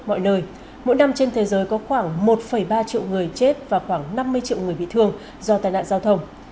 mỗi nơi mỗi năm trên thế giới có khoảng một ba triệu người chết và khoảng năm mươi triệu người bị thương do tai nạn giao thông